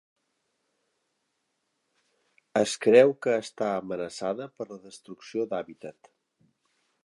Es creu que està amenaçada per la destrucció d'hàbitat.